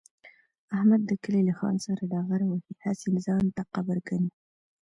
احمد د کلي له خان سره ډغره وهي، هسې ځان ته قبر کني.